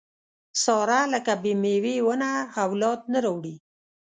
ساره لکه بې مېوې ونه اولاد نه راوړي.